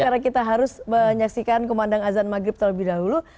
karena kita harus menyaksikan kemandang azan maghrib terlebih dahulu